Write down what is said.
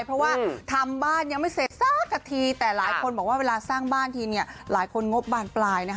เพราะว่าทำบ้านยังไม่เสร็จสักทีแต่หลายคนบอกว่าเวลาสร้างบ้านทีหลายคนงบบานปลาย